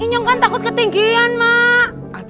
senyum kan takut ketinggian mak